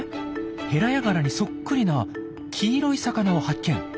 ヘラヤガラにそっくりな黄色い魚を発見。